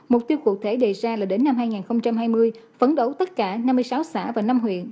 mục tiêu cụ thể đề ra là đến năm hai nghìn hai mươi phấn đấu tất cả năm mươi sáu xã và năm huyện